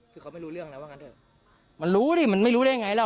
คือเขาไม่รู้เรื่องแล้วว่างั้นเถอะมันรู้ดิมันไม่รู้ได้ยังไงล่ะ